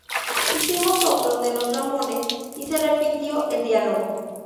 Hicimos otra de los Ramones y se repitió el diálogo.